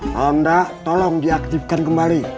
ronda tolong diaktifkan kembali